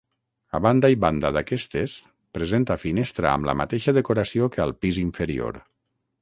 A banda i banda d'aquestes presenta finestra amb la mateixa decoració que al pis inferior.